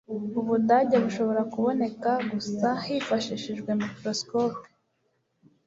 ubudage bushobora kuboneka gusa hifashishijwe microscope